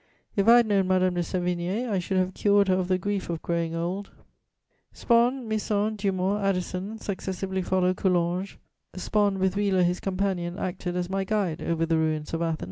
If I had known Madame de Sévigné, I should have cured her of the grief of growing old. Spon, Misson, Dumont, Addison successively follow Coulanges. Spon, with Wheler, his companion, acted as my guide over the ruins of Athens.